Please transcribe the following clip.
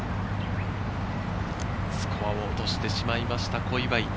スコアを落としてしまいました、小祝。